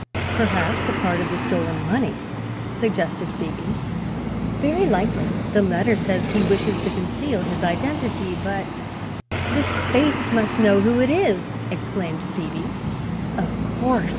"Perhaps a part of the stolen money," suggested Phoebe. "Very likely. The letter says he wishes to conceal his identity, but " "The Spaythes must know who it is!" exclaimed Phoebe. "Of course."